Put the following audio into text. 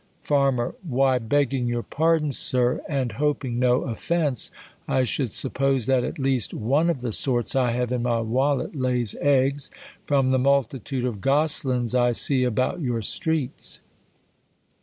Farm, Vvhy, begging your pardon, Sir, Jind ho ping no oflence, I should suppose, that, at least, one of the sorts ] ha\^e in ni)^ wallet lays eggs, from the mul titude of croslins T see about your streets.